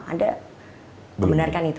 anda menggunakan itu